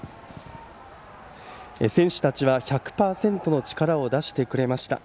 選手たちは１００％の力を出してくれました。